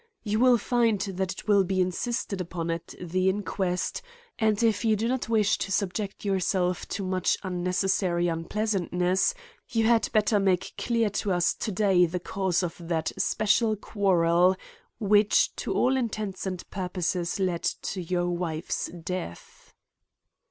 "You will find that it will be insisted upon at the inquest, and if you do not wish to subject yourself to much unnecessary unpleasantness, you had better make clear to us today the cause of that special quarrel which to all intents and purposes led to your wife's death."